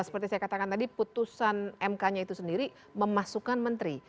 seperti saya katakan tadi putusan mk nya itu sendiri memasukkan menteri